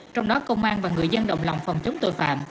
trong đó công an và người dân đồng lòng phòng chống tội phạm